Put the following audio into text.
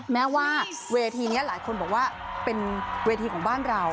แม้ว่าเวทีนี้หลายคนบอกว่าเป็นเวทีของบ้านเรา